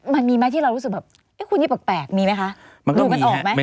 มันมีไหมที่เรารู้สึกแบบคู่นี้แปลกมีไหมคะดูกันออกไหม